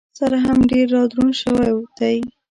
سر هم ډېر را دروند شوی دی.